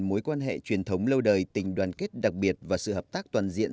mối quan hệ truyền thống lâu đời tình đoàn kết đặc biệt và sự hợp tác toàn diện